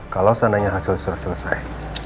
kalau seandainya hasil sudah selesai